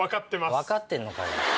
分かってんのかよ。